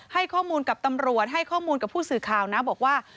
ให้ข้อมูลกับตำรวจให้ข้อมูลกับผู้สื่อข่าวนะบอกว่า